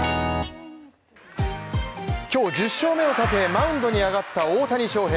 今日１０勝目をかけマウンドに上がった大谷翔平。